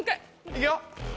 いくよ。